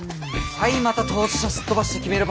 はいまた当事者すっ飛ばして決めるパターン。